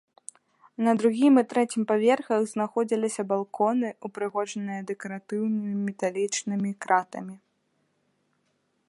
На другім і трэцім паверхах знаходзіліся балконы, упрыгожаныя дэкаратыўнымі металічнымі кратамі.